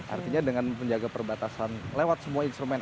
artinya dengan menjaga perbatasan lewat semua instrumen